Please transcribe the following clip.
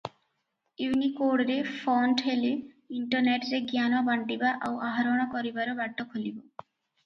ଇଉନିକୋଡ଼ରେ font ହେଲେ ଇଣ୍ଟରନେଟରେ ଜ୍ଞାନ ବାଣ୍ଟିବା ଆଉ ଆହରଣ କରିବାର ବାଟ ଖୋଲିବ ।